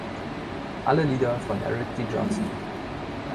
Alle Lieder von Eric D. Johnson.